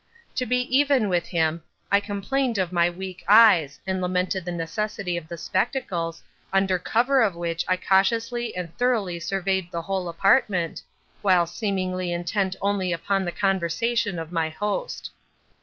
"To be even with him, I complained of my weak eyes, and lamented the necessity of the spectacles, under cover of which I cautiously and thoroughly surveyed the whole apartment, while seemingly intent only upon the conversation of my host.